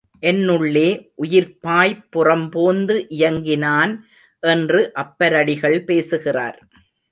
என்னுளே உயிர்ப்பாய்ப் புறம்போந்து இயங்கினான் என்று அப்பரடிகள் பேசுகிறார்.